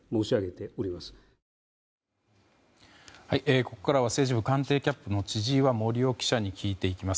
ここからは政治部官邸キャップの千々岩森生記者に聞いていきます。